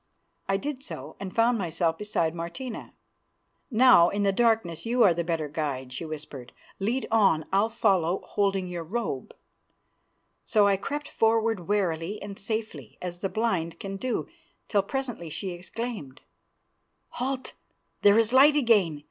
I did so, and found myself beside Martina. "Now, in the darkness you are the better guide," she whispered. "Lead on, I'll follow, holding to your robe." So I crept forward warily and safely, as the blind can do, till presently she exclaimed, "Halt, here is light again.